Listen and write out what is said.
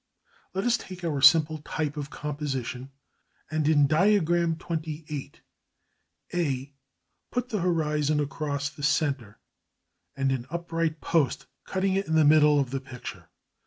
Let us take our simple type of composition, and in Diagram XXVIII, A, put the horizon across the centre and an upright post cutting it in the middle of the picture.